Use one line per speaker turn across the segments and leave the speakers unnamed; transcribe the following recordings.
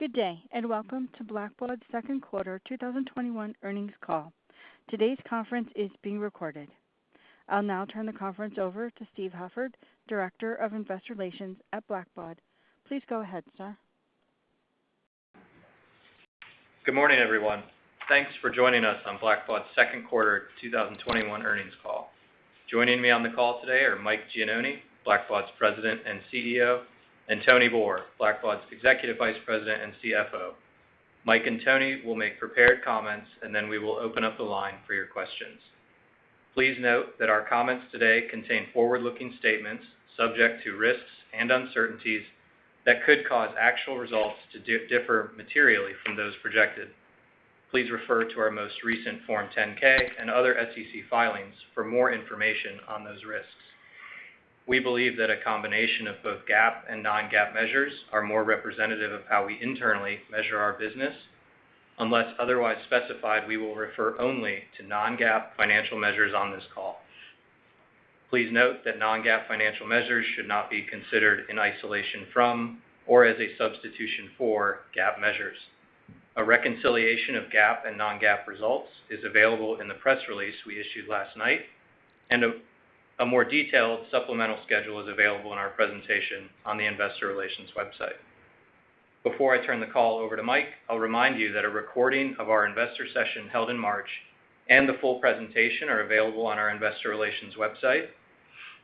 Good day, and welcome to Blackbaud's Second Quarter 2021 Earnings Call. Today's conference is being recorded. I'll now turn the conference over to Steve Hufford, Director of Investor Relations at Blackbaud. Please go ahead, Sir.
Good morning, everyone. Thanks for joining us on Blackbaud's Second Quarter 2021 Earnings Call. Joining me on the call today are Mike Gianoni, Blackbaud's President and CEO, and Tony Boor, Blackbaud's Executive Vice President and CFO. Mike and Tony will make prepared comments, and then we will open up the line for your questions. Please note that our comments today contain forward-looking statements subject to risks and uncertainties that could cause actual results to differ materially from those projected. Please refer to our most recent Form 10-K and other SEC filings for more information on those risks. We believe that a combination of both GAAP and non-GAAP measures are more representative of how we internally measure our business. Unless otherwise specified, we will refer only to non-GAAP financial measures on this call. Please note that non-GAAP financial measures should not be considered in isolation from or as a substitution for GAAP measures. A reconciliation of GAAP and non-GAAP results is available in the press release we issued last night, and a more detailed supplemental schedule is available in our presentation on the investor relations website. Before I turn the call over to Mike, I'll remind you that a recording of our investor session held in March and the full presentation are available on our investor relations website.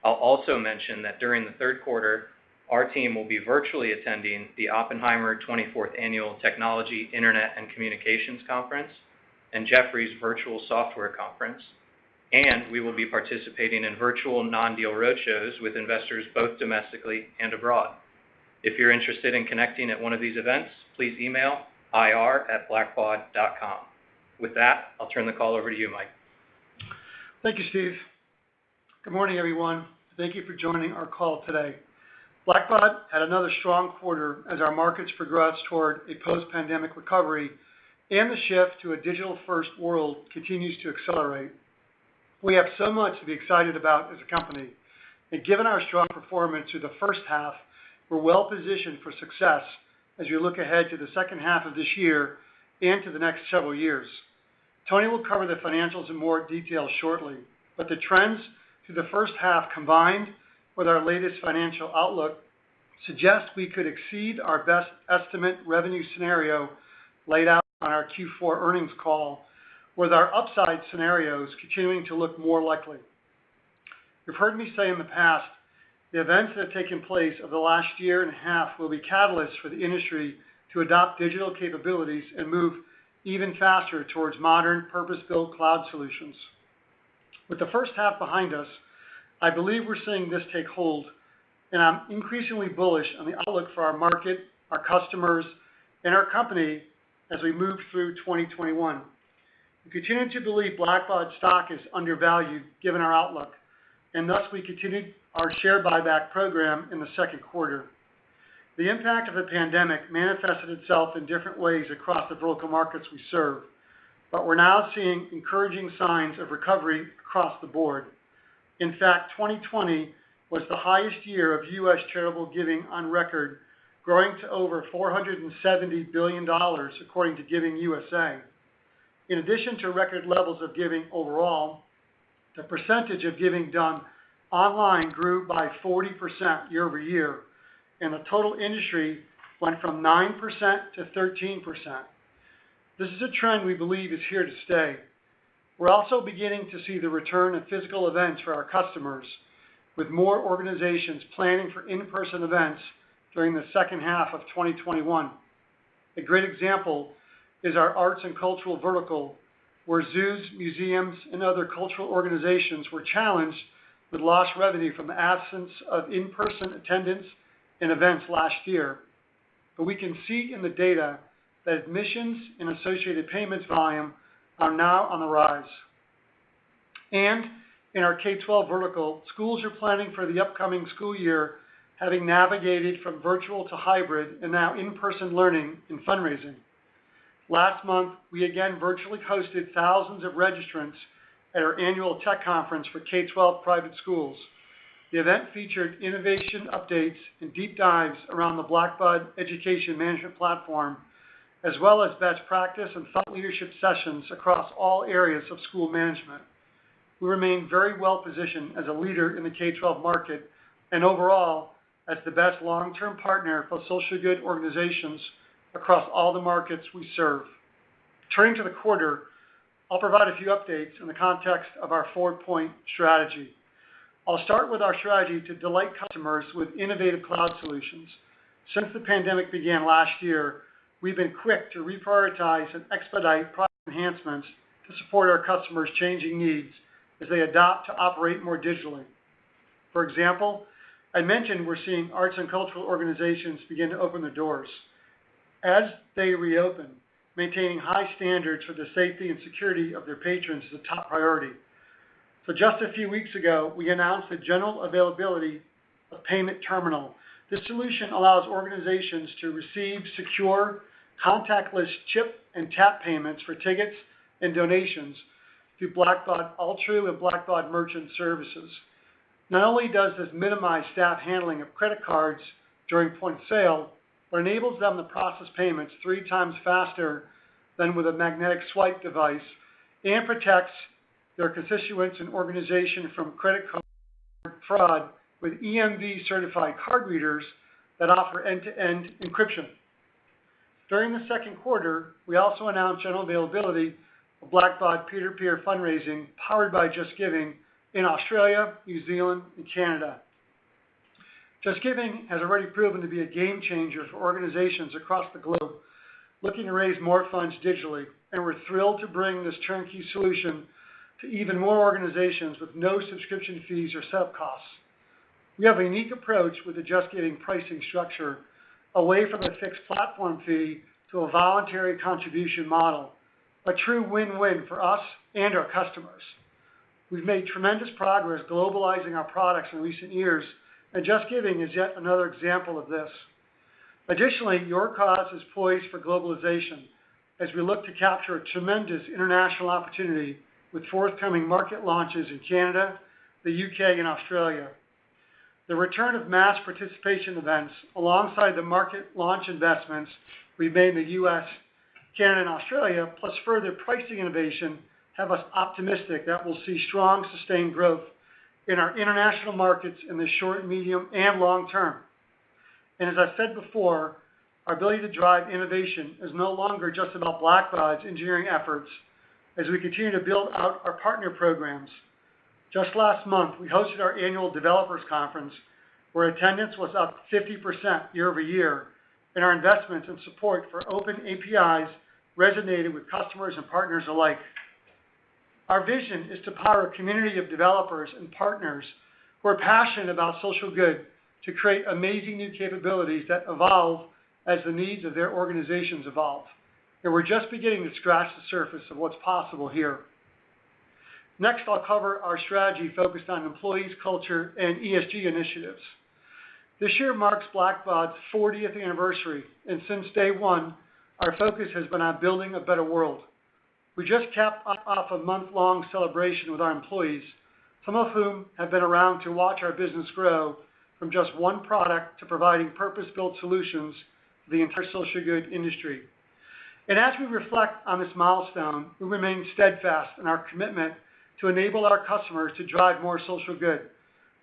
I'll also mention that during the third quarter, our team will be virtually attending the Oppenheimer 24th Annual Technology, Internet and Communications Conference and Jefferies Virtual Software Conference, and we will be participating in virtual non-deal roadshows with investors both domestically and abroad. If you're interested in connecting at one of these events, please email ir@blackbaud.com. With that, I'll turn the call over to you, Mike.
Thank you, Steve. Good morning, everyone. Thank you for joining our call today. Blackbaud had another strong quarter as our markets progress toward a post-pandemic recovery and the shift to a digital-first world continues to accelerate. We have so much to be excited about as a company. Given our strong performance through the first half, we're well-positioned for success as we look ahead to the second half of this year and to the next several years. Tony will cover the financials in more detail shortly, but the trends through the first half, combined with our latest financial outlook, suggest we could exceed our best estimate revenue scenario laid out on our Q4 earnings call, with our upside scenarios continuing to look more likely. You've heard me say in the past, the events that have taken place over the last year and a half will be catalysts for the industry to adopt digital capabilities and move even faster towards modern, purpose-built cloud solutions. With the first half behind us, I believe we're seeing this take hold, and I'm increasingly bullish on the outlook for our market, our customers, and our company as we move through 2021. We continue to believe Blackbaud stock is undervalued given our outlook, and thus we continued our share buyback program in the second quarter. The impact of the pandemic manifested itself in different ways across the vertical markets we serve, but we're now seeing encouraging signs of recovery across the board. In fact, 2020 was the highest year of U.S. charitable giving on record, growing to over $470 billion, according to Giving USA. In addition to record levels of giving overall, the percentage of giving done online grew by 40% year-over-year. The total industry went from 9%-13%. This is a trend we believe is here to stay. We're also beginning to see the return of physical events for our customers, with more organizations planning for in-person events during the second half of 2021. A great example is our arts and cultural vertical, where zoos, museums, and other cultural organizations were challenged with lost revenue from the absence of in-person attendance in events last year. We can see in the data that admissions and associated payments volume are now on the rise. In our K-12 vertical, schools are planning for the upcoming school year, having navigated from virtual to hybrid and now in-person learning and fundraising. Last month, we again virtually hosted thousands of registrants at our annual tech conference for K-12 private schools. The event featured innovation updates and deep dives around the Blackbaud Education Management platform, as well as best practice and thought leadership sessions across all areas of school management. We remain very well-positioned as a leader in the K-12 market and overall as the best long-term partner for social good organizations across all the markets we serve. Turning to the quarter, I'll provide a few updates in the context of our four-point strategy. I'll start with our strategy to delight customers with innovative cloud solutions. Since the pandemic began last year, we've been quick to reprioritize and expedite product enhancements to support our customers' changing needs as they adapt to operate more digitally. For example, I mentioned we're seeing arts and cultural organizations begin to open their doors. As they reopen, maintaining high standards for the safety and security of their patrons is a top priority. Just a few weeks ago, we announced the general availability of Payment Terminal. This solution allows organizations to receive secure contactless chip and tap payments for tickets and donations through Blackbaud Altru and Blackbaud Merchant Services. Not only does this minimize staff handling of credit cards during point-of-sale, but enables them to process payments 3x faster than with a magnetic swipe device, and protects their constituents and organization from credit card fraud with EMV-certified card readers that offer end-to-end encryption. During the second quarter, we also announced general availability of Blackbaud peer-to-peer fundraising powered by JustGiving in Australia, New Zealand, and Canada. JustGiving has already proven to be a game changer for organizations across the globe looking to raise more funds digitally, and we're thrilled to bring this turnkey solution to even more organizations with no subscription fees or set-up costs. We have a unique approach with the JustGiving pricing structure, away from a fixed platform fee to a voluntary contribution model. A true win-win for us and our customers. We've made tremendous progress globalizing our products in recent years, and JustGiving is yet another example of this. Additionally, YourCause is poised for globalization as we look to capture a tremendous international opportunity with forthcoming market launches in Canada, the U.K., and Australia. The return of mass participation events, alongside the market launch investments we've made in the U.S., Canada, and Australia, plus further pricing innovation, have us optimistic that we'll see strong, sustained growth in our international markets in the short, medium, and long term. As I said before, our ability to drive innovation is no longer just about Blackbaud's engineering efforts as we continue to build out our partner programs. Just last month, we hosted our annual developers conference, where attendance was up 50% year-over-year, and our investments and support for open APIs resonated with customers and partners alike. Our vision is to power a community of developers and partners who are passionate about social good to create amazing new capabilities that evolve as the needs of their organizations evolve. We're just beginning to scratch the surface of what's possible here. Next, I'll cover our strategy focused on employees, culture, and ESG initiatives. This year marks Blackbaud's 40th anniversary. Since day one, our focus has been on building a better world. We just capped off a month-long celebration with our employees, some of whom have been around to watch our business grow from just one product to providing purpose-built solutions to the entire social good industry. As we reflect on this milestone, we remain steadfast in our commitment to enable our customers to drive more social good,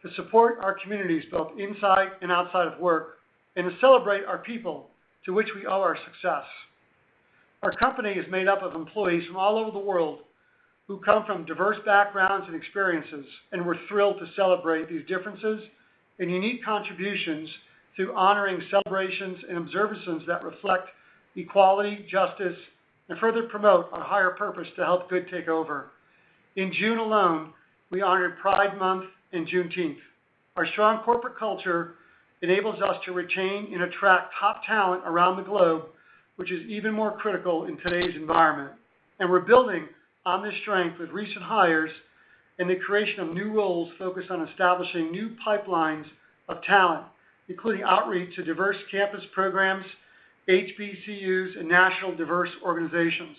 to support our communities both inside and outside of work, and to celebrate our people, to which we owe our success. Our company is made up of employees from all over the world who come from diverse backgrounds and experiences, we're thrilled to celebrate these differences and unique contributions through honoring celebrations and observances that reflect equality, justice, and further promote our higher purpose to help good take over. In June alone, we honored Pride Month and Juneteenth. Our strong corporate culture enables us to retain and attract top talent around the globe, which is even more critical in today's environment. We're building on this strength with recent hires and the creation of new roles focused on establishing new pipelines of talent, including outreach to diverse campus programs, HBCUs, and national diverse organizations.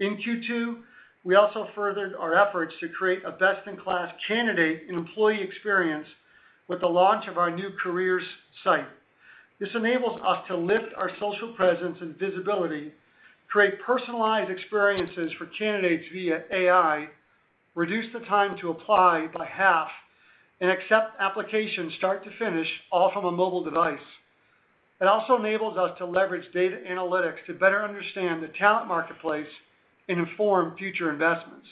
In Q2, we also furthered our efforts to create a best-in-class candidate and employee experience with the launch of our new careers site. This enables us to lift our social presence and visibility, create personalized experiences for candidates via AI, reduce the time to apply by half, and accept applications start to finish, all from a mobile device. It also enables us to leverage data analytics to better understand the talent marketplace and inform future investments.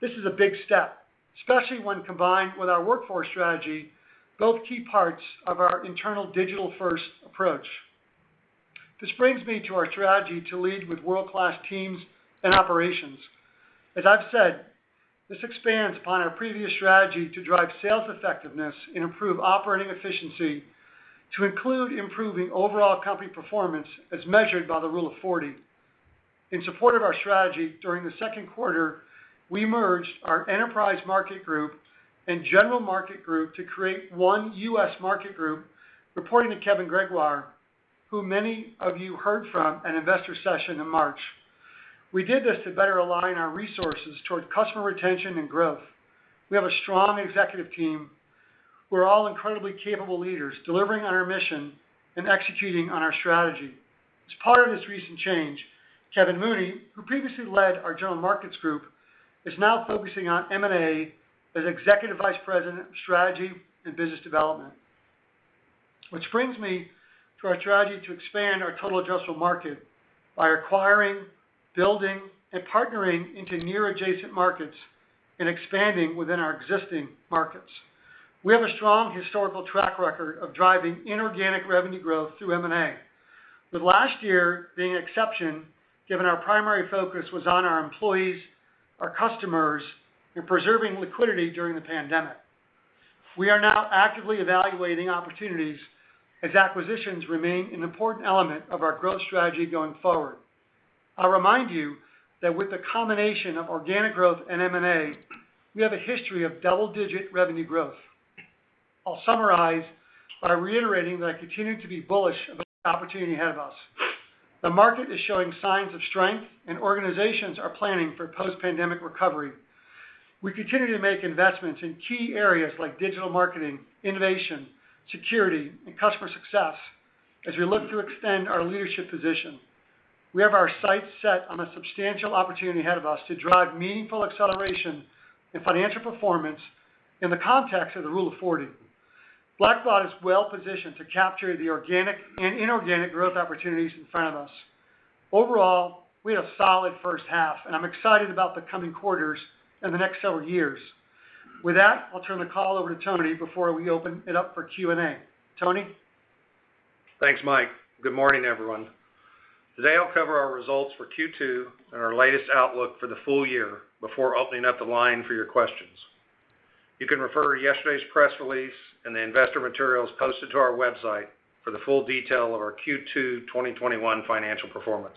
This is a big step, especially when combined with our workforce strategy, both key parts of our internal digital-first approach. This brings me to our strategy to lead with world-class teams and operations. As I've said, this expands upon our previous strategy to drive sales effectiveness and improve operating efficiency to include improving overall company performance as measured by the Rule of 40. In support of our strategy, during the second quarter, we merged our enterprise market group and general market group to create one U.S. market group reporting to Kevin Gregoire, who many of you heard from at Investor Session in March. We did this to better align our resources toward customer retention and growth. We have a strong executive team who are all incredibly capable leaders, delivering on our mission and executing on our strategy. As part of this recent change, Kevin Mooney, who previously led our general markets group, is now focusing on M&A as Executive Vice President of Strategy and Business Development. Which brings me to our strategy to expand our total addressable market by acquiring, building, and partnering into near adjacent markets and expanding within our existing markets. We have a strong historical track record of driving inorganic revenue growth through M&A, with last year being an exception given our primary focus was on our employees, our customers, and preserving liquidity during the pandemic. We are now actively evaluating opportunities as acquisitions remain an important element of our growth strategy going forward. I'll remind you that with the combination of organic growth and M&A, we have a history of double-digit revenue growth. I'll summarize by reiterating that I continue to be bullish of the opportunity ahead of us. The market is showing signs of strength, and organizations are planning for post-pandemic recovery. We continue to make investments in key areas like digital marketing, innovation, security, and customer success, as we look to extend our leadership position. We have our sights set on a substantial opportunity ahead of us to drive meaningful acceleration in financial performance in the context of the Rule of 40. Blackbaud is well-positioned to capture the organic and inorganic growth opportunities in front of us. Overall, we had a solid first half, and I'm excited about the coming quarters and the next several years. With that, I'll turn the call over to Tony before we open it up for Q&A. Tony?
Thanks, Mike. Good morning, everyone. Today, I'll cover our results for Q2 and our latest outlook for the full year before opening up the line for your questions. You can refer to yesterday's press release and the investor materials posted to our website for the full detail of our Q2 2021 financial performance.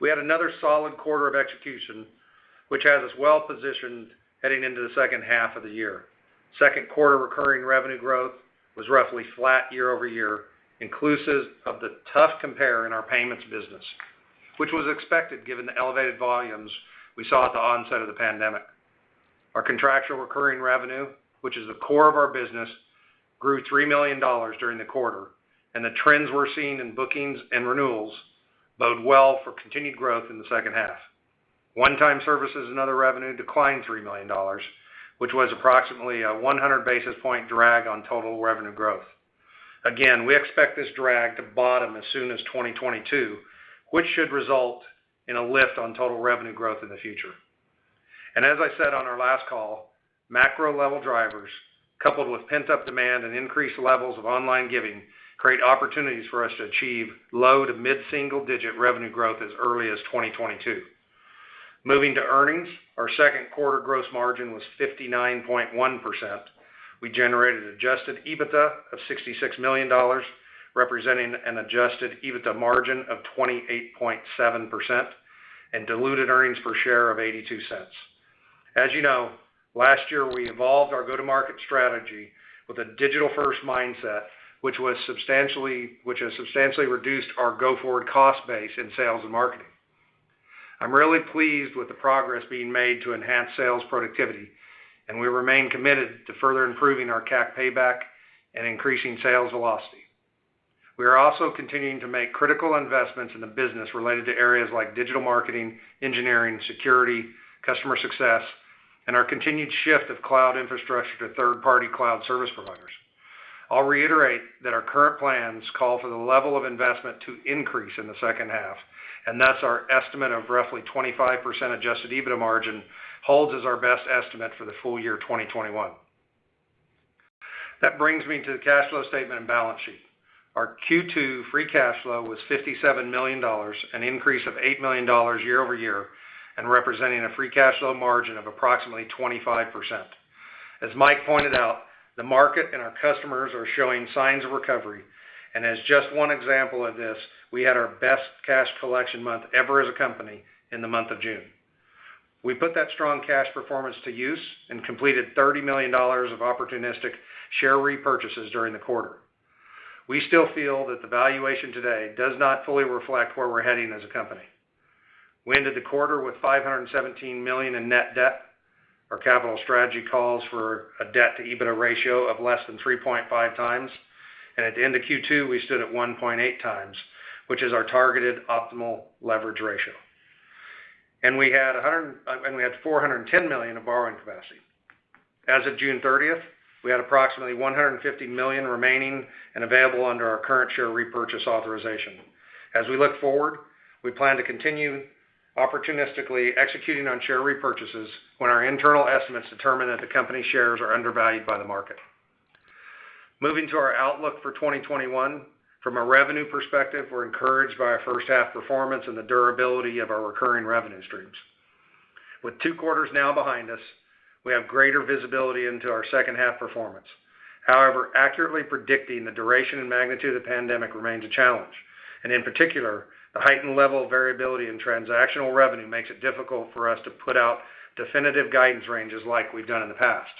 We had another solid quarter of execution, which has us well-positioned heading into the second half of the year. Second quarter recurring revenue growth was roughly flat year-over-year, inclusive of the tough compare in our payments business, which was expected given the elevated volumes we saw at the onset of the pandemic. Our contractual recurring revenue, which is the core of our business, grew $3 million during the quarter, and the trends we're seeing in bookings and renewals bode well for continued growth in the second half. One-time services and other revenue declined $3 million, which was approximately a 100-basis point drag on total revenue growth. Again, we expect this drag to bottom as soon as 2022, which should result in a lift on total revenue growth in the future. As I said on our last call, macro level drivers, coupled with pent-up demand and increased levels of online giving, create opportunities for us to achieve low- to mid-single digit revenue growth as early as 2022. Moving to earnings, our second quarter gross margin was 59.1%. We generated adjusted EBITDA of $66 million, representing an adjusted EBITDA margin of 28.7% and diluted earnings per share of $0.82. As you know, last year, we evolved our go-to-market strategy with a digital-first mindset, which has substantially reduced our go-forward cost base in sales and marketing. I'm really pleased with the progress being made to enhance sales productivity, and we remain committed to further improving our CAC payback and increasing sales velocity. We are also continuing to make critical investments in the business related to areas like digital marketing, engineering, security, customer success, and our continued shift of cloud infrastructure to third-party cloud service providers. I'll reiterate that our current plans call for the level of investment to increase in the second half, and thus our estimate of roughly 25% adjusted EBITDA margin holds as our best estimate for the full year 2021. That brings me to the cash flow statement and balance sheet. Our Q2 free cash flow was $57 million, an increase of $8 million year-over-year, and representing a free cash flow margin of approximately 25%. As Mike pointed out, the market and our customers are showing signs of recovery, and as just one example of this, we had our best cash collection month ever as a company in the month of June. We put that strong cash performance to use and completed $30 million of opportunistic share repurchases during the quarter. We still feel that the valuation today does not fully reflect where we're heading as a company. We ended the quarter with $517 million in net debt. Our capital strategy calls for a debt-to-EBITDA ratio of less than 3.5x, and at the end of Q2, we stood at 1.8x, which is our targeted optimal leverage ratio. We had $410 million of borrowing capacity. As of June 30th, we had approximately $150 million remaining and available under our current share repurchase authorization. As we look forward, we plan to continue opportunistically executing on share repurchases when our internal estimates determine that the company shares are undervalued by the market. Moving to our outlook for 2021. From a revenue perspective, we're encouraged by our first half performance and the durability of our recurring revenue streams. With two quarters now behind us, we have greater visibility into our second half performance. Accurately predicting the duration and magnitude of the pandemic remains a challenge, and in particular, the heightened level of variability in transactional revenue makes it difficult for us to put out definitive guidance ranges like we've done in the past.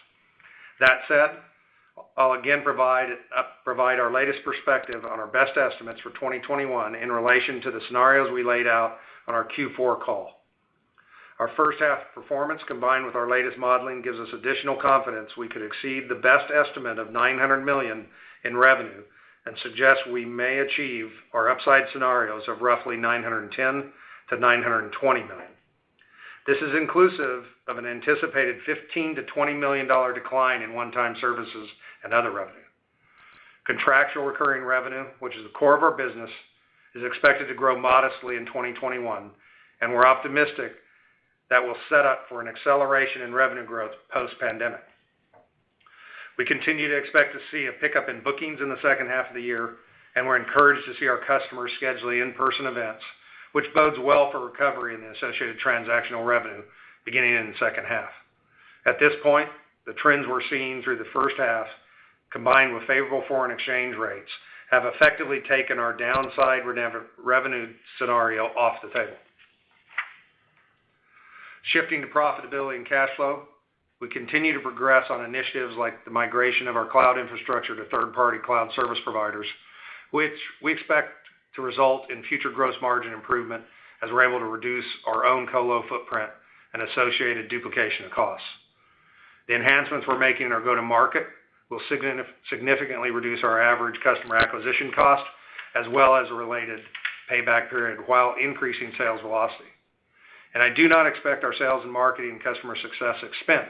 That said, I'll again provide our latest perspective on our best estimates for 2021 in relation to the scenarios we laid out on our Q4 call. Our first half performance, combined with our latest modeling, gives us additional confidence we could exceed the best estimate of $900 million in revenue and suggests we may achieve our upside scenarios of roughly $910 million-$920 million. This is inclusive of an anticipated $15 million-$20 million decline in one-time services and other revenue. Contractual recurring revenue, which is the core of our business, is expected to grow modestly in 2021, and we're optimistic that we'll set up for an acceleration in revenue growth post-pandemic. We continue to expect to see a pickup in bookings in the second half of the year, and we're encouraged to see our customers schedule in-person events, which bodes well for recovery in the associated transactional revenue beginning in the second half. At this point, the trends we're seeing through the first half, combined with favorable foreign exchange rates, have effectively taken our downside revenue scenario off the table. Shifting to profitability and cash flow, we continue to progress on initiatives like the migration of our cloud infrastructure to third-party cloud service providers, which we expect to result in future gross margin improvement as we're able to reduce our own colo footprint and associated duplication of costs. The enhancements we're making in our go-to-market will significantly reduce our average customer acquisition cost, as well as related payback period, while increasing sales velocity. I do not expect our sales and marketing customer success expense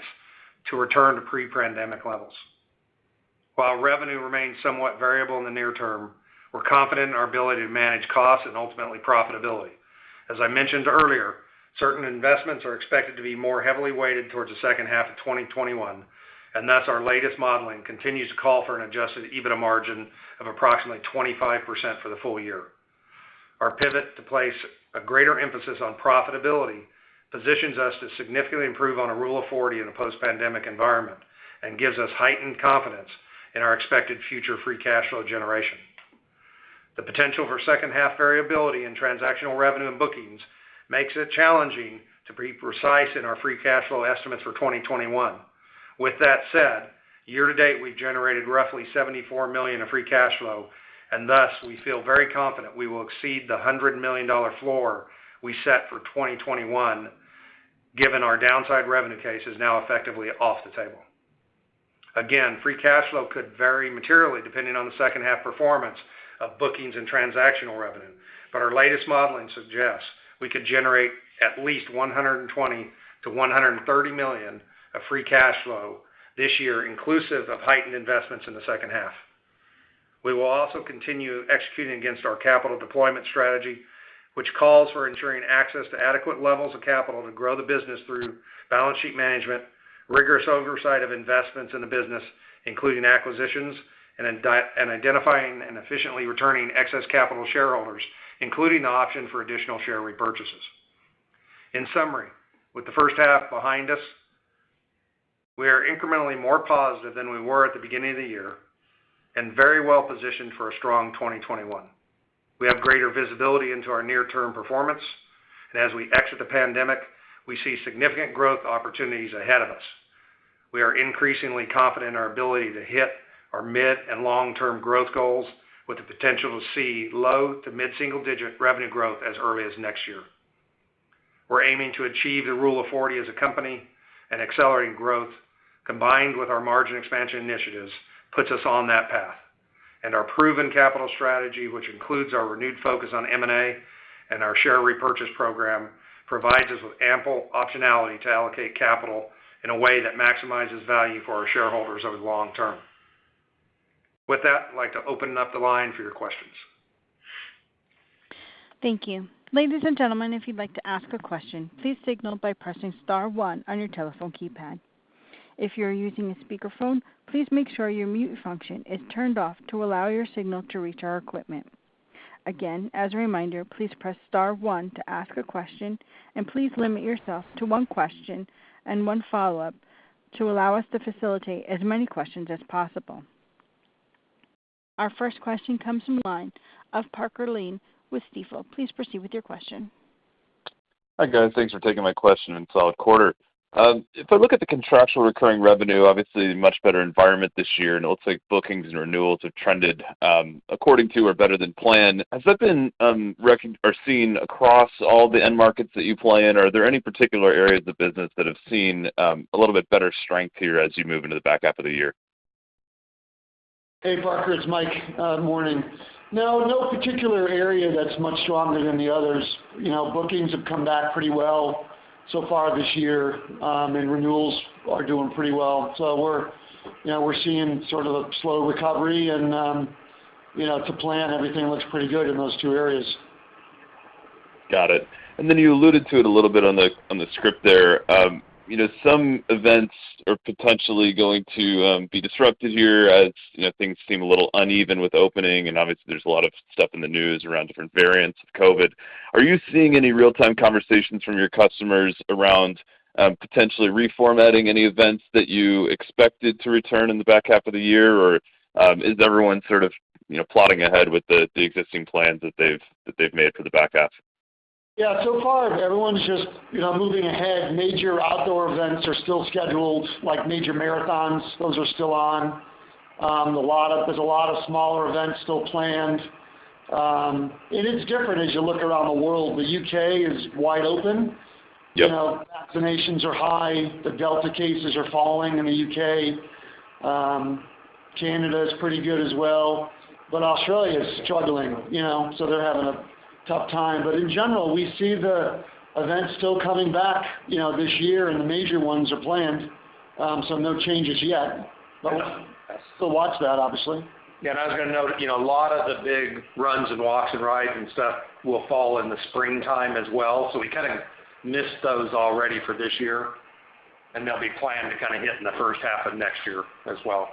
to return to pre-pandemic levels. While revenue remains somewhat variable in the near term, we're confident in our ability to manage costs and ultimately profitability. As I mentioned earlier, certain investments are expected to be more heavily weighted towards the second half of 2021, thus our latest modeling continues to call for an adjusted EBITDA margin of approximately 25% for the full year. Our pivot to place a greater emphasis on profitability positions us to significantly improve on a Rule of 40 in a post-pandemic environment and gives us heightened confidence in our expected future free cash flow generation. The potential for second half variability in transactional revenue and bookings makes it challenging to be precise in our free cash flow estimates for 2021. With that said, year to date, we've generated roughly $74 million of free cash flow, thus, we feel very confident we will exceed the $100 million floor we set for 2021 given our downside revenue case is now effectively off the table. Again, free cash flow could vary materially depending on the second half performance of bookings and transactional revenue. Our latest modeling suggests we could generate at least $120 million-$130 million of free cash flow this year, inclusive of heightened investments in the second half. We will also continue executing against our capital deployment strategy, which calls for ensuring access to adequate levels of capital to grow the business through balance sheet management, rigorous oversight of investments in the business, including acquisitions, and identifying and efficiently returning excess capital to shareholders, including the option for additional share repurchases. In summary, with the first half behind us, we are incrementally more positive than we were at the beginning of the year and very well positioned for a strong 2021. We have greater visibility into our near-term performance, and as we exit the pandemic, we see significant growth opportunities ahead of us. We are increasingly confident in our ability to hit our mid- and long-term growth goals with the potential to see low- to mid-single-digit revenue growth as early as next year. We're aiming to achieve the Rule of 40 as a company, and accelerating growth, combined with our margin expansion initiatives, puts us on that path. Our proven capital strategy, which includes our renewed focus on M&A and our share repurchase program, provides us with ample optionality to allocate capital in a way that maximizes value for our shareholders over the long term. With that, I'd like to open up the line for your questions.
Thank you. Ladies and gentlemen, if you'd like to ask a question, please signal by pressing star one on your telephone keypad. If you're using a speakerphone, please make sure your mute function is turned off to allow your signal to reach our equipment. Again, as a reminder, please press star one to ask a question, and please limit yourself to one question and one follow-up to allow us to facilitate as many questions as possible. Our first question comes from the line of Parker Lane with Stifel. Please proceed with your question.
Hi, guys. Thanks for taking my question on solid quarter. If I look at the contractual recurring revenue, obviously much better environment this year, and it looks like bookings and renewals have trended according to or better than planned. Has that been seen across all the end markets that you play in? Are there any particular areas of business that have seen a little bit better strength here as you move into the back half of the year?
Hey, Parker Lane. It's Mike Gianoni. Morning. No, no particular area that's much stronger than the others. Bookings have come back pretty well so far this year, and renewals are doing pretty well. We're seeing sort of a slow recovery and to plan, everything looks pretty good in those two areas.
Got it. You alluded to it a little bit on the script there. Some events are potentially going to be disrupted here as things seem a little uneven with opening, and obviously there's a lot of stuff in the news around different variants of COVID. Are you seeing any real-time conversations from your customers around potentially reformatting any events that you expected to return in the back half of the year? Or is everyone sort of plotting ahead with the existing plans that they've made for the back half?
Yeah. So far, everyone's just moving ahead. Major outdoor events are still scheduled, like major marathons. Those are still on. There's a lot of smaller events still planned. It's different as you look around the world. The U.K. is wide open.
Yep.
Vaccinations are high. The Delta cases are falling in the U.K. Canada is pretty good as well, but Australia is struggling. They're having a tough time. In general, we see the events still coming back this year, and the major ones are planned. No changes yet. We'll still watch that, obviously.
Yeah, I was going to note, a lot of the big runs and walks and rides and stuff will fall in the springtime as well. We kind of missed those already for this year, they'll be planned to kind of hit in the first half of next year as well.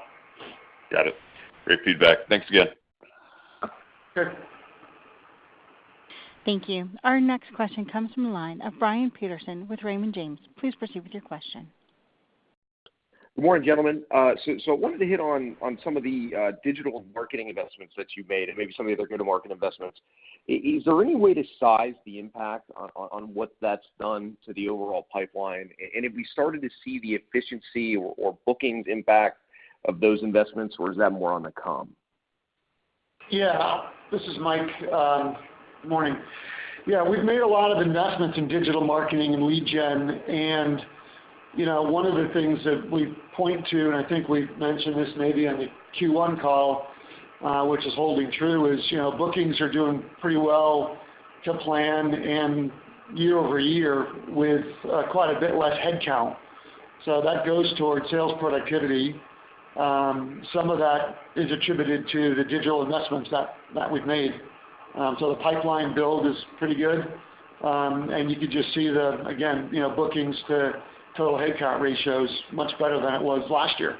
Got it. Great feedback. Thanks again.
Sure.
Thank you. Our next question comes from the line of Brian Peterson with Raymond James. Please proceed with your question.
Good morning, gentlemen. I wanted to hit on some of the digital marketing investments that you've made and maybe some of your go-to-market investments. Is there any way to size the impact on what that's done to the overall pipeline and have we started to see the efficiency or bookings impact of those investments, or is that more on the comm?
This is Mike. Good morning. We've made a lot of investments in digital marketing and lead gen, and one of the things that we point to, and I think we've mentioned this maybe on the Q1 call, which is holding true, is bookings are doing pretty well to plan and year-over-year with quite a bit less headcount. That goes towards sales productivity. Some of that is attributed to the digital investments that we've made. You could just see the, again, bookings to total headcount ratio is much better than it was last year.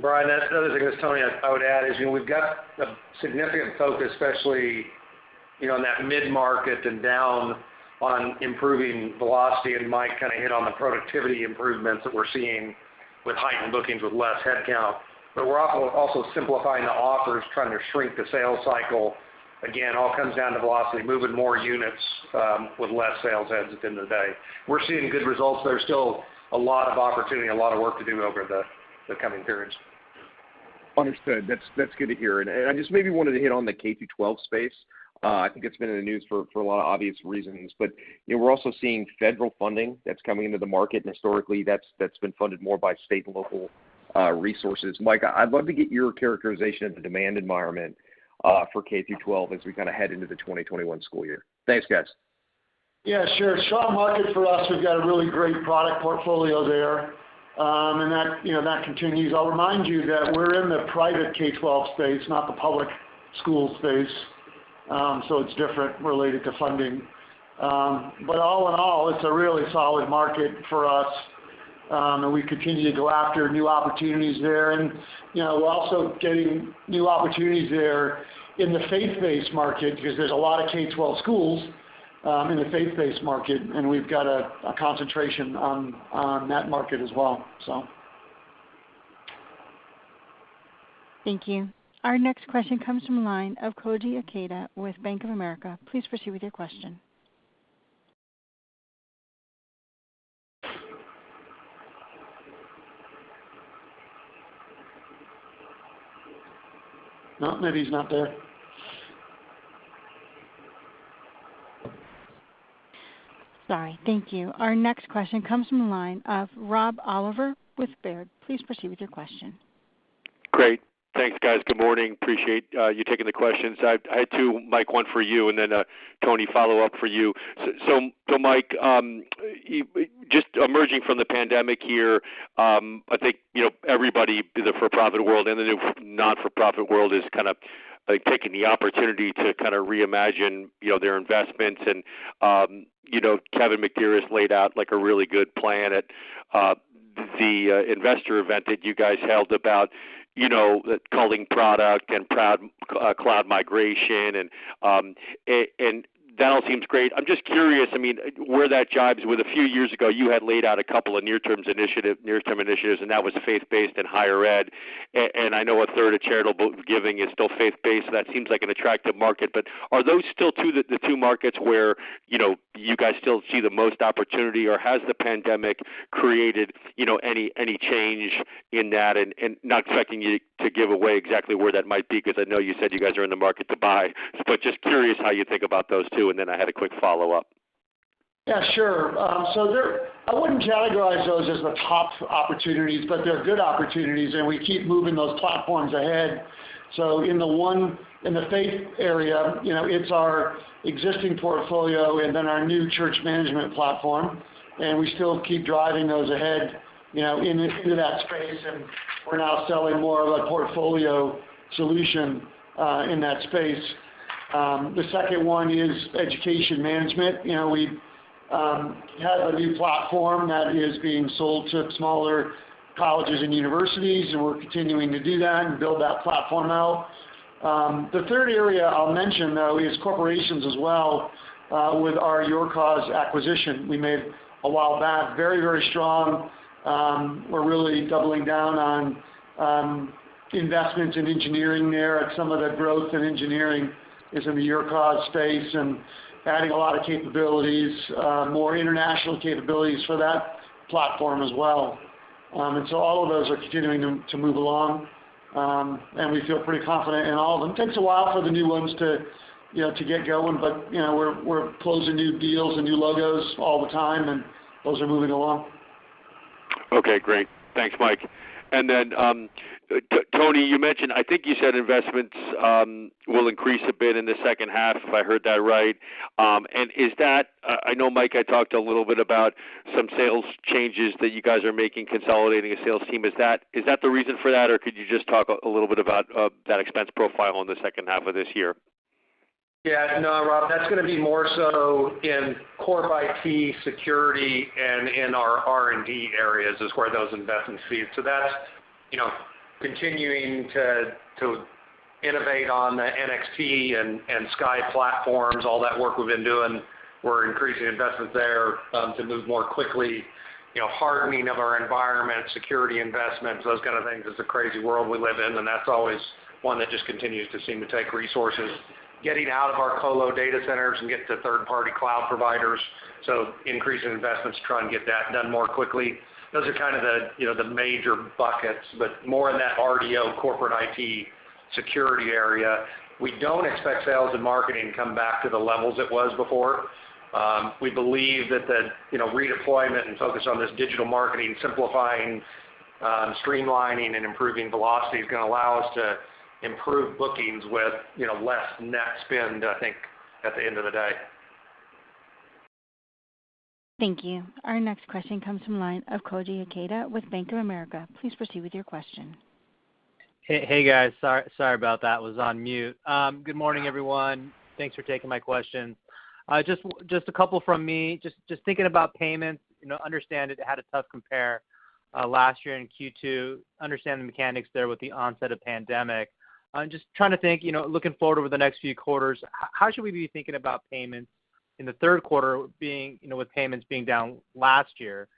Brian, that's another thing is, Tony, I would add is we've got a significant focus, especially, on that mid-market and down on improving velocity, and Mike kind of hit on the productivity improvements that we're seeing with heightened bookings with less headcount. We're also simplifying the offers, trying to shrink the sales cycle. Again, all comes down to velocity, moving more units, with less sales heads at the end of the day. We're seeing good results. There's still a lot of opportunity, a lot of work to do over the coming periods.
Understood. That's good to hear. I just maybe wanted to hit on the K-12 space. I think it's been in the news for a lot of obvious reasons, but we're also seeing federal funding that's coming into the market. Historically, that's been funded more by state and local resources. Mike, I'd love to get your characterization of the demand environment for K-12 as we head into the 2021 school year. Thanks, guys.
Yeah, sure. Strong market for us. We've got a really great product portfolio there. That continues. I'll remind you that we're in the private K-12 space, not the public school space. It's different related to funding. All in all, it's a really solid market for us. We continue to go after new opportunities there. We're also getting new opportunities there in the faith-based market because there's a lot of K-12 schools in the faith-based market. We've got a concentration on that market as well.
Thank you. Our next question comes from the line of Koji Ikeda with Bank of America. Please proceed with your question.
No, maybe he's not there.
Sorry. Thank you. Our next question comes from the line of Rob Oliver with Baird. Please proceed with your question.
Great. Thanks, guys. Good morning. Appreciate you taking the questions. I had two, Mike, one for you, and then Tony, follow up for you. Mike, just emerging from the pandemic here, I think everybody in the for-profit world and in the not-for-profit world is taking the opportunity to reimagine their investments and Kevin McDearis has laid out a really good plan at the investor event that you guys held about culling product and cloud migration and that all seems great. I'm just curious, where that jibes with a few years ago, you had laid out a copule of years near-term initiatives, and that was faith-based and higher ed. I know a third of charitable giving is still faith-based, so that seems like an attractive market. Are those still the two markets where you guys still see the most opportunity, or has the pandemic created any change in that? Not expecting you to give away exactly where that might be, because I know you said you guys are in the market to buy, but just curious how you think about those two, and then I had a quick follow-up.
Yeah, sure. I wouldn't categorize those as the top opportunities, but they're good opportunities, and we keep moving those platforms ahead. In the faith area, it's our existing portfolio and then our new church management platform, and we still keep driving those ahead into that space, and we're now selling more of a portfolio solution in that space. The second one is Education Management. We have a new platform that is being sold to smaller colleges and universities, and we're continuing to do that and build that platform out. The third area I'll mention, though, is corporations as well, with our YourCause acquisition we made a while back. Very, very strong. We're really doubling down on investments in engineering there, and some of the growth in engineering is in the YourCause space and adding a lot of capabilities, more international capabilities for that platform as well. All of those are continuing to move along, and we feel pretty confident in all of them. Takes a while for the new ones to get going, but we're closing new deals and new logos all the time, and those are moving along.
Okay, great. Thanks, Mike. Tony, you mentioned, I think you said investments will increase a bit in the second half, if I heard that right. I know Mike had talked a little bit about some sales changes that you guys are making, consolidating a sales team. Is that the reason for that, or could you just talk a little bit about that expense profile in the second half of this year?
No, Rob, that's gonna be more so in core IT security and in our R&D areas is where those investments feed. That's continuing to innovate on the NXT and SKY platforms, all that work we've been doing, we're increasing investments there to move more quickly. Hardening of our environment, security investments, those kind of things. It's a crazy world we live in, and that's always one that just continues to seem to take resources. Getting out of our colo data centers and get to third-party cloud providers, increasing investments to try and get that done more quickly. Those are kind of the major buckets, but more in that R&D corporate IT security area. We don't expect sales and marketing to come back to the levels it was before. We believe that the redeployment and focus on this digital marketing, simplifying, streamlining, and improving velocity is going to allow us to improve bookings with less net spend, I think, at the end of the day.
Thank you. Our next question comes from the line of Koji Ikeda with Bank of America. Please proceed with your question.
Hey, guys. Sorry about that, was on mute. Good morning, everyone. Thanks for taking my questions. Just a couple from me. Just thinking about payments, understand it had a tough compare last year in Q2, understand the mechanics there with the onset of pandemic. Just trying to think, looking forward over the next few quarters, how should we be thinking about payments in the third quarter, with payments being down last year?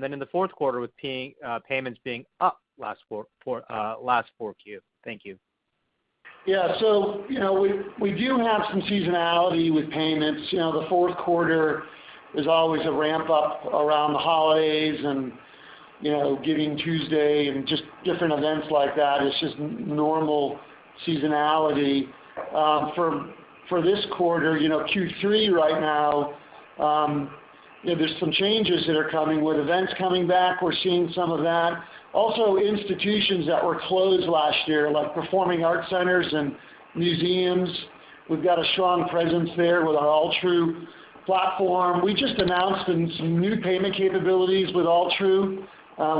Then in the fourth quarter with payments being up last 4Q? Thank you.
We do have some seasonality with payments. The fourth quarter is always a ramp-up around the holidays and Giving Tuesday and just different events like that. It's just normal seasonality. For this quarter, Q3 right now, there's some changes that are coming with events coming back. We're seeing some of that. Also, institutions that were closed last year, like performing art centers and museums, we've got a strong presence there with our Altru platform. We just announced some new payment capabilities with Altru,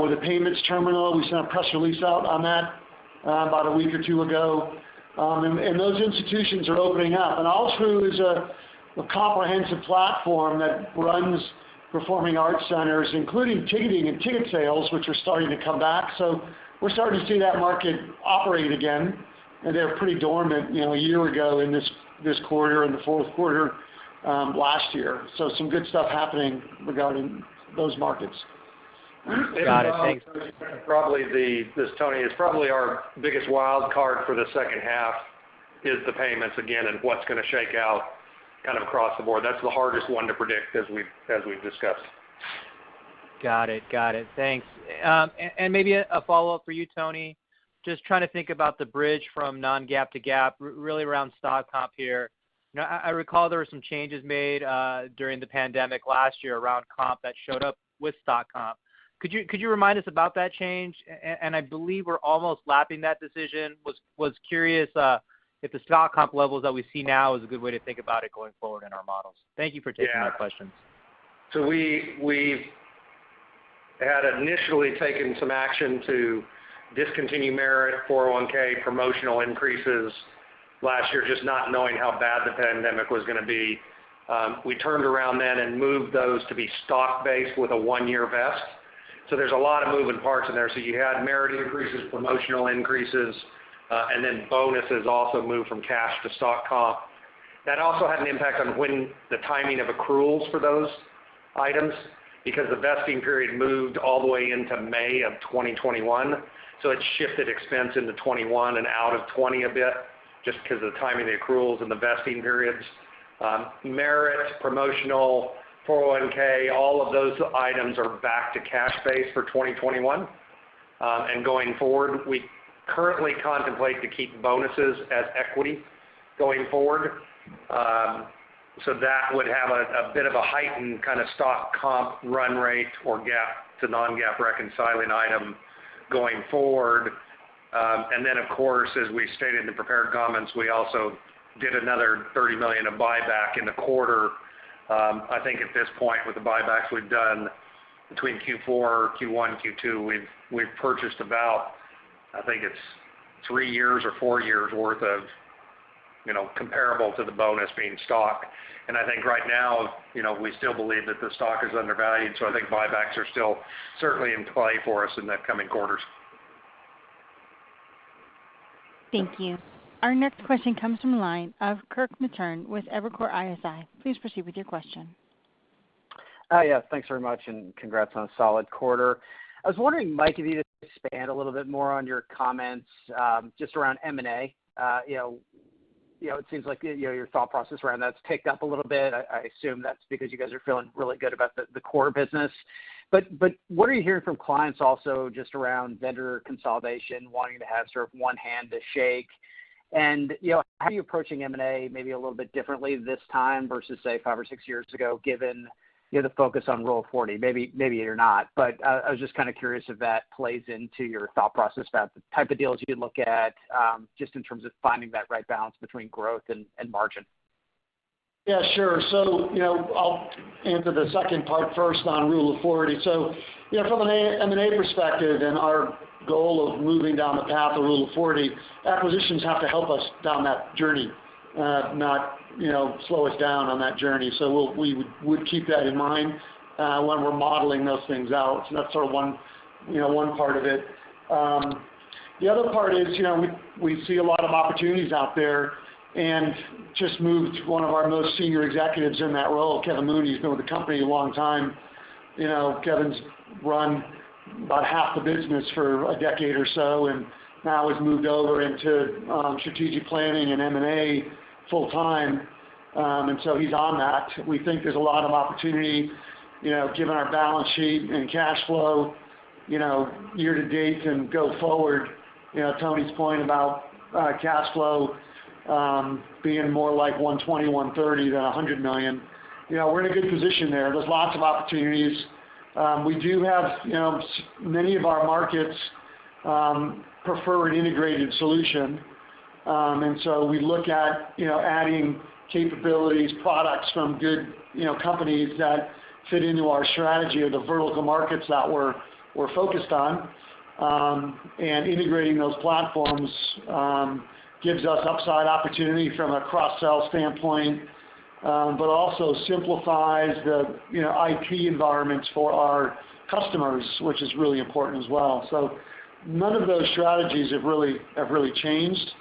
with a Payment Terminal. We sent a press release out on that about a week or two ago. Those institutions are opening up. Altru is a comprehensive platform that runs performing art centers, including ticketing and ticket sales, which are starting to come back. We're starting to see that market operate again, and they were pretty dormant a year ago in this quarter, in the fourth quarter last year. Some good stuff happening regarding those markets.
Got it. Thanks.
This is Tony. It's probably our biggest wild card for the second half is the payments again and what's going to shake out kind of across the board. That's the hardest one to predict, as we've discussed.
Got it. Thanks. Maybe a follow-up for you, Tony. Just trying to think about the bridge from non-GAAP to GAAP, really around stock comp here. I recall there were some changes made during the pandemic last year around comp that showed up with stock comp. Could you remind us about that change? I believe we're almost lapping that decision. Was curious if the stock comp levels that we see now is a good way to think about it going forward in our models. Thank you for taking my questions.
We had initially taken some action to discontinue merit 401(k) promotional increases last year, just not knowing how bad the pandemic was going to be. We turned around then and moved those to be stock-based with a one-year vest. There's a lot of moving parts in there. You had merit increases, promotional increases, and then bonuses also moved from cash to stock comp. That also had an impact on when the timing of accruals for those items, because the vesting period moved all the way into May of 2021. It shifted expense into 2021 and out of 2020 a bit just because of the timing of the accruals and the vesting periods. Merit, promotional, 401(k), all of those items are back to cash base for 2021. Going forward, we currently contemplate to keep bonuses as equity going forward. That would have a bit of a heightened kind of stock comp run rate or GAAP to non-GAAP reconciling item going forward. Of course, as we stated in the prepared comments, we also did another $30 million of buyback in the quarter. At this point with the buybacks we've done between Q4, Q1, Q2, we've purchased about three years or four years worth of comparable to the bonus being stock. Right now, we still believe that the stock is undervalued, buybacks are still certainly in play for us in the coming quarters.
Thank you. Our next question comes from the line of Kirk Materne with Evercore ISI. Please proceed with your question.
Yeah. Thanks very much. Congrats on a solid quarter. I was wondering, Mike, if you could expand a little bit more on your comments just around M&A. It seems like your thought process around that's ticked up a little bit. I assume that's because you guys are feeling really good about the core business. What are you hearing from clients also just around vendor consolidation, wanting to have sort of one hand to shake? How are you approaching M&A maybe a little bit differently this time versus, say, five or six years ago, given the focus on Rule of 40? Maybe you're not, but I was just kind of curious if that plays into your thought process about the type of deals you look at, just in terms of finding that right balance between growth and margin.
Yeah, sure. I'll answer the second part first on Rule of 40. From an M&A perspective and our goal of moving down the path of Rule of 40, acquisitions have to help us down that journey not slow us down on that journey. We would keep that in mind when we're modeling those things out. That's one part of it. The other part is we see a lot of opportunities out there, and just moved one of our most senior executives in that role, Kevin Mooney. He's been with the company a long time. Kevin's run about half the business for a decade or so, and now has moved over into strategic planning and M&A full time. He's on that. We think there's a lot of opportunity, given our balance sheet and cash flow, year to date and go forward. Tony's point about cash flow being more like $120 million, $130 million-$100 million. We're in a good position there. There's lots of opportunities. We look at adding capabilities, products from good companies that fit into our strategy of the vertical markets that we're focused on. Integrating those platforms gives us upside opportunity from a cross-sell standpoint, but also simplifies the IP environments for our customers, which is really important as well. None of those strategies have really changed.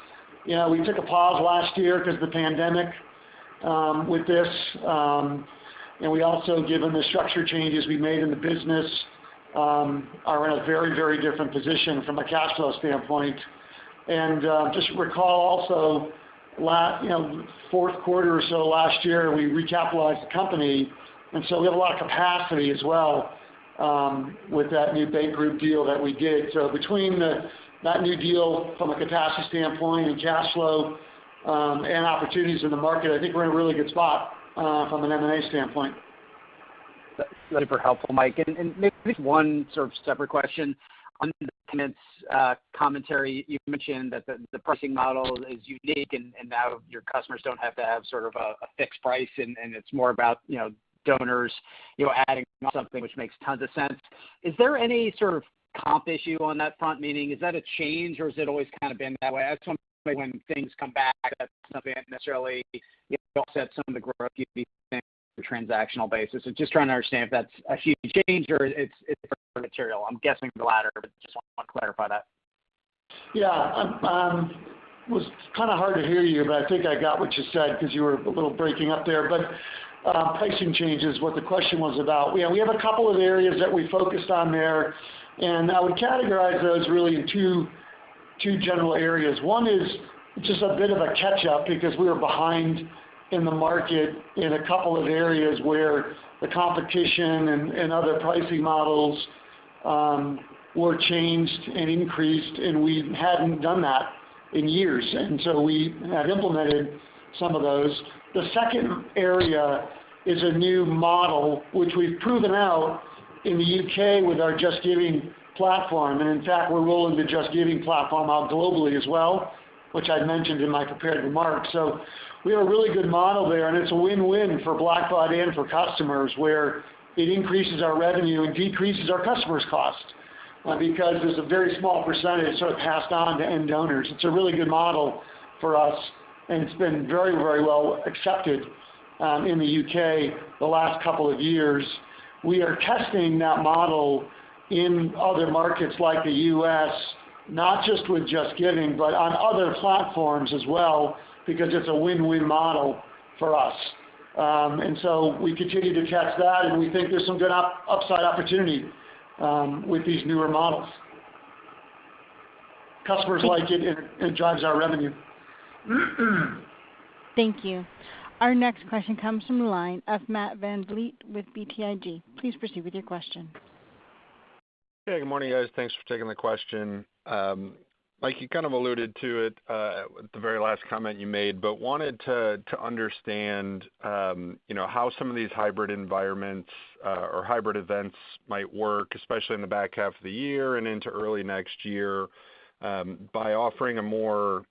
We took a pause last year because the pandemic with this, and we also, given the structure changes we made in the business, are in a very different position from a cash flow standpoint. Just recall also fourth quarter or so last year, we recapitalized the company, and so we have a lot of capacity as well with that new bank group deal that we did. Between that new deal from a capacity standpoint and cash flow, and opportunities in the market, I think we're in a really good spot from an M&A standpoint.
Super helpful, Mike. Maybe one sort of separate question on the comments commentary. You mentioned that the pricing model is unique. Now your customers don't have to have a fixed price. It's more about donors adding something which makes tons of sense. Is there any sort of comp issue on that front? Meaning, is that a change? Has it always kind of been that way? At some point when things come back, that's something that necessarily you offset some of the growth you'd be seeing on a transactional basis. Just trying to understand if that's a huge change it's material. I'm guessing the latter, just want to clarify that.
Yeah. It was kind of hard to hear you, but I think I got what you said because you were a little breaking up there. Pricing change is what the question was about. We have a couple of areas that we focused on there, and I would categorize those really in two general areas. One is just a bit of a catch-up because we were behind in the market in a couple of areas where the competition and other pricing models were changed and increased, and we hadn't done that in years. We have implemented some of those. The second area is a new model, which we've proven out in the U.K. with our JustGiving platform. In fact, we're rolling the JustGiving platform out globally as well, which I'd mentioned in my prepared remarks. We have a really good model there, and it's a win-win for Blackbaud and for customers, where it increases our revenue and decreases our customers' cost. There's a very small percentage sort of passed on to end donors. It's a really good model for us, and it's been very well accepted in the U.K. the last couple years. We are testing that model in other markets like the U.S., not just with JustGiving, but on other platforms as well, because it's a win-win model for us. We continue to test that, and we think there's some good upside opportunity with these newer models. Customers like it, and it drives our revenue.
Thank you. Our next question comes from the line of Matt VanVliet with BTIG. Please proceed with your question.
Hey, good morning, guys. Thanks for taking the question. Mike, you kind of alluded to it at the very last comment you made, Wanted to understand how some of these hybrid environments or hybrid events might work, especially in the back half of the year and into early next year, by offering a more,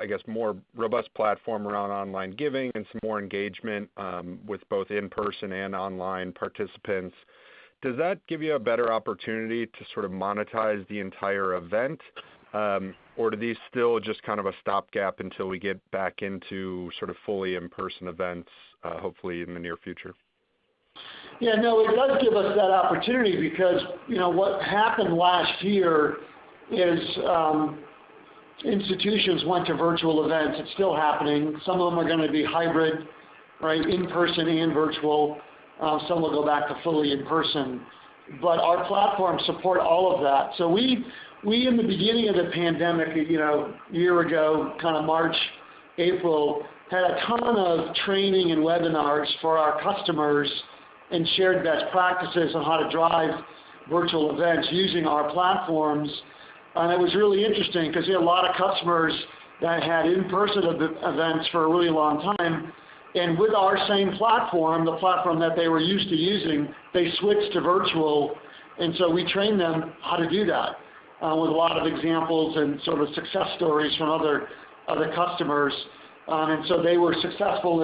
I guess, more robust platform around online giving and some more engagement with both in-person and online participants. Does that give you a better opportunity to sort of monetize the entire event? Are these still just kind of a stopgap until we get back into sort of fully in-person events hopefully in the near future?
No, it does give us that opportunity because what happened last year is institutions went to virtual events. It is still happening. Some of them are going to be hybrid, in-person and virtual. Some will go back to fully in-person. Our platforms support all of that. We, in the beginning of the pandemic a year ago, kind of March, April, had a ton of training and webinars for our customers and shared best practices on how to drive virtual events using our platforms. It was really interesting because we had a lot of customers that had in-person events for a really long time, and with our same platform, the platform that they were used to using, they switched to virtual. We trained them how to do that with a lot of examples and sort of success stories from other customers. They were successful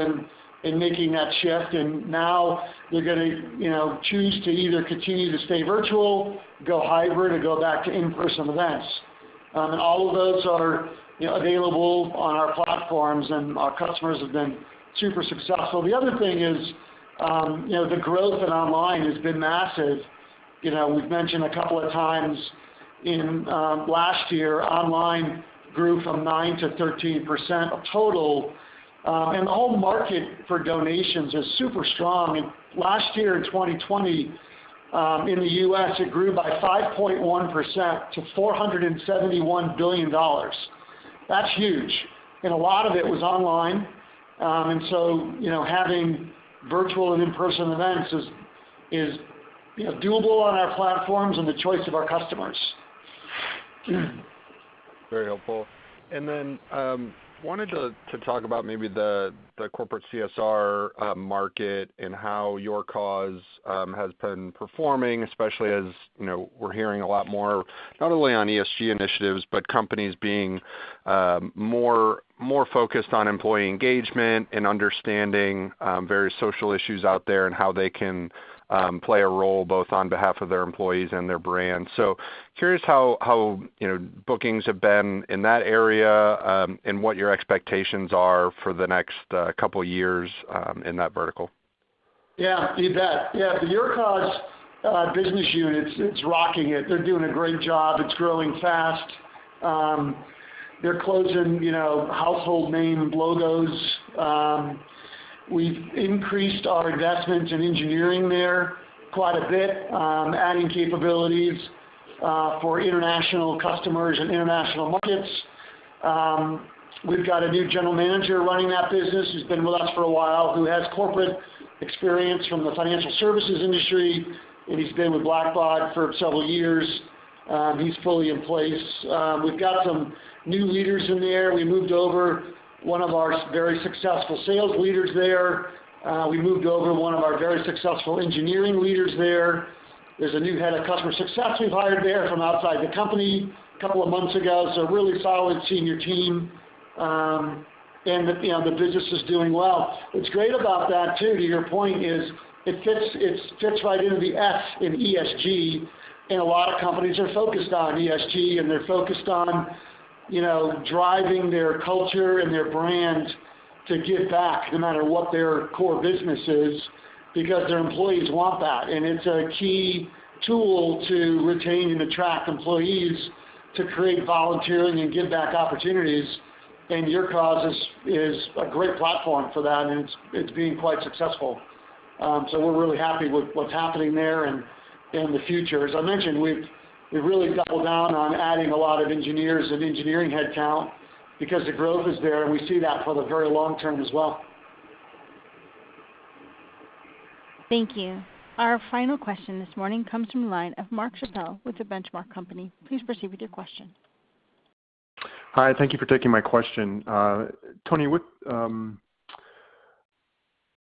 in making that shift, and now they're going to choose to either continue to stay virtual, go hybrid, or go back to in-person events. All of those are available on our platforms, and our customers have been super successful. The other thing is the growth in online has been massive. We've mentioned a couple of times, in last year, online grew from 9%-13% total. The whole market for donations is super strong. Last year, in 2020, in the U.S., it grew by 5.1% to $471 billion. That's huge, and a lot of it was online. Having virtual and in-person events is doable on our platforms and the choice of our customers.
Very helpful. I wanted to talk about maybe the corporate CSR market and how YourCause has been performing, especially as we're hearing a lot more, not only on ESG initiatives, but companies being more focused on employee engagement and understanding various social issues out there, and how they can play a role, both on behalf of their employees and their brand. I'm curious how bookings have been in that area, and what your expectations are for the next couple of years in that vertical.
Yeah. You bet. The YourCause business unit, it's rocking it. They're doing a great job. It's growing fast. They're closing household name logos. We've increased our investment in engineering there quite a bit, adding capabilities for international customers and international markets. We've got a new general manager running that business, who's been with us for a while, who has corporate experience from the financial services industry, and he's been with Blackbaud for several years. He's fully in place. We've got some new leaders in there. We moved over one of our very successful sales leaders there. We moved over one of our very successful engineering leaders there. There's a new head of customer success we've hired there from outside the company couple months ago. Really solid senior team. The business is doing well. What's great about that too, to your point is, it fits right into the S in ESG. A lot of companies are focused on ESG. They're focused on driving their culture and their brand to give back, no matter what their core business is, because their employees want that. It's a key tool to retain and attract employees to create volunteering and give back opportunities. YourCause is a great platform for that. It's being quite successful. We're really happy with what's happening there and the future. As I mentioned, we've really doubled down on adding a lot of engineers and engineering headcount because the growth is there. We see that for the very long term as well.
Thank you. Our final question this morning comes from the line of Mark Chappell with The Benchmark Company. Please proceed with your question.
Hi, thank you for taking my question. Tony,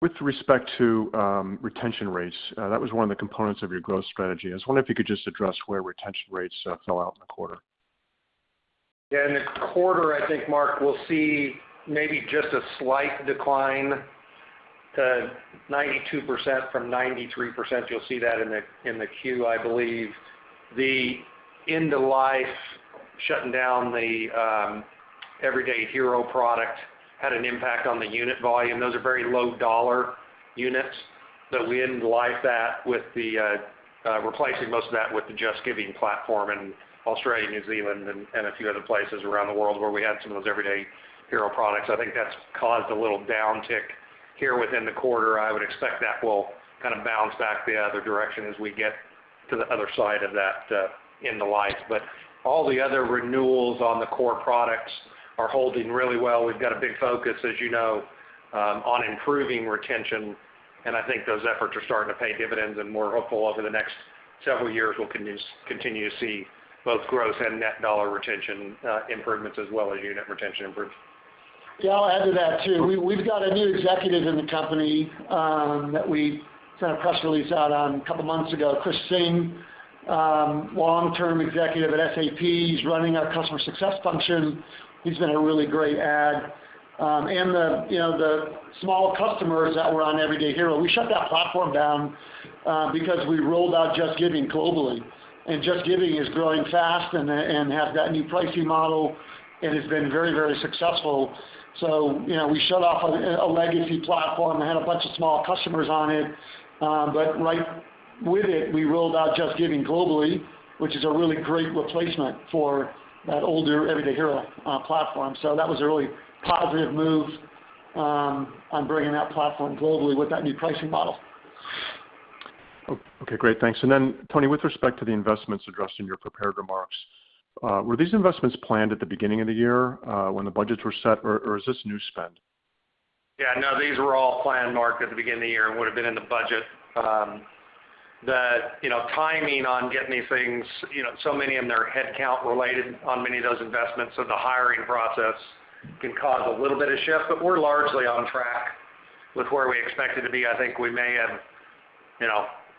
with respect to retention rates, that was one of the components of your growth strategy. I was wondering if you could just address where retention rates fell out in the quarter?
Yeah, in the quarter, I think, Mark, we'll see maybe just a slight decline to 92% from 93%. You'll see that in the Q, I believe. The end-of-life shutting down the everydayhero product had an impact on the unit volume. Those are very low-dollar units, so we end of life'd that with replacing most of that with the JustGiving platform in Australia, New Zealand, and a few other places around the world where we had some of those everydayhero products. I think that's caused a little downtick here within the quarter. I would expect that will kind of bounce back the other direction as we get to the other side of that end-of-life. All the other renewals on the core products are holding really well. We've got a big focus, as you know, on improving retention, and I think those efforts are starting to pay dividends, and we're hopeful over the next several years, we'll continue to see both gross and net dollar retention improvements as well as unit retention improvements.
Yeah, I'll add to that too. We've got a new executive in the company that we sent a press release out on a couple of months ago, Chris Singh, long-term executive at SAP. He's running our customer success function. He's been a really great add. The small customers that were on everydayhero, we shut that platform down because we rolled out JustGiving globally. JustGiving is growing fast and has that new pricing model and has been very successful. We shut off a legacy platform that had a bunch of small customers on it. Right with it, we rolled out JustGiving globally, which is a really great replacement for that older everydayhero platform. That was a really positive move on bringing that platform globally with that new pricing model.
Okay, great. Thanks. Tony, with respect to the investments addressed in your prepared remarks, were these investments planned at the beginning of the year when the budgets were set, or is this new spend?
Yeah, no, these were all planned, Mark, at the beginning of the year, would've been in the budget. The timing on getting these things, many of them are headcount related on many of those investments, the hiring process can cause a little bit of shift. We're largely on track with where we expected to be. I think we may have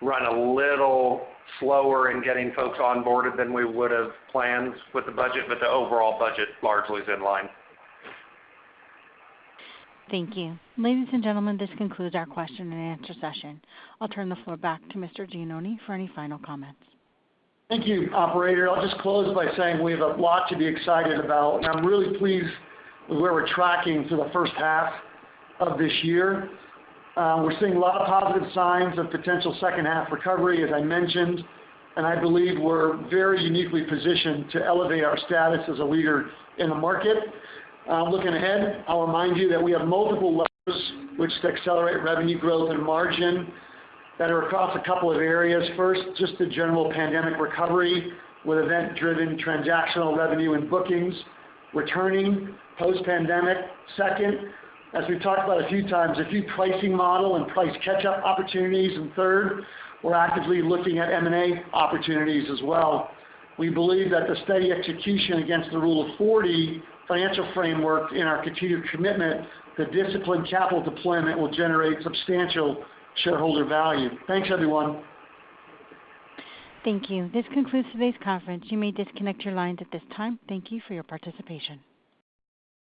run a little slower in getting folks onboarded than we would've planned with the budget, the overall budget largely is in line.
Thank you. Ladies and gentlemen, this concludes our question-and-answer session. I'll turn the floor back to Mr. Gianoni for any final comments.
Thank you, operator. I'll just close by saying we have a lot to be excited about, and I'm really pleased with where we're tracking through the first half of this year. We're seeing a lot of positive signs of potential second half recovery, as I mentioned, and I believe we're very uniquely positioned to elevate our status as a leader in the market. Looking ahead, I'll remind you that we have multiple levers which accelerate revenue growth and margin that are across a couple of areas. First, just the general pandemic recovery with event-driven transactional revenue and bookings returning post-pandemic. Second, as we've talked about a few times, a few pricing model and price catch-up opportunities. Third, we're actively looking at M&A opportunities as well. We believe that the steady execution against the Rule of 40 financial framework and our continued commitment to disciplined capital deployment will generate substantial shareholder value. Thanks, everyone.
Thank you. This concludes today's conference. You may disconnect your lines at this time. Thank you for your participation.